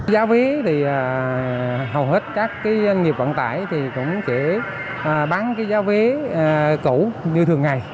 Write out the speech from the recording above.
giá ví thì hầu hết các cái nghiệp vận tải thì cũng chỉ bán cái giá ví cũ như thường ngày